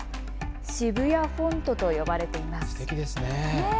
シブヤフォントと呼ばれています。